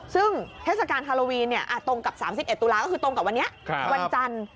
ซึ่งเทศกาลฮาโลวีนตรงกับ๓๑ตุลาก็คือตรงกับวันนี้วันจันทร์